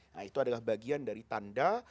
nah itu adalah bagian dari tanda